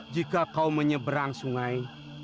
jika kau menyeberang sungai